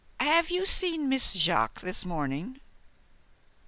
Have you seen Miss Jaques this morning?"